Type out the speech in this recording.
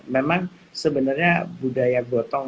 memang sebenarnya budaya gotong